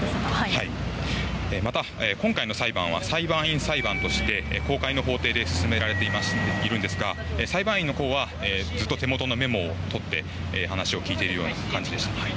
また今回の裁判は裁判員裁判として公開の法廷で進められているんですが、裁判員のほうはずっと手元のメモを取って話を聞いているような感じでした。